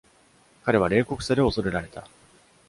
彼は冷酷さで恐れられた。